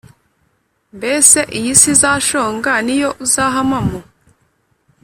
mbese iyi si izashonga ni yo uzahamamo?